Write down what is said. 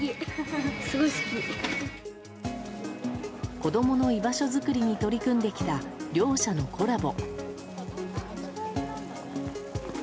子供の居場所づくりに取り組んできた両者のコラボ。